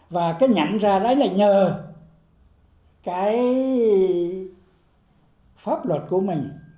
và cái nhận ra đó là nhờ cái pháp luật của mình